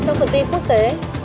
trong phần tin quốc tế